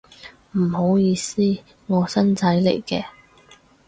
唔好意思，我新仔嚟嘅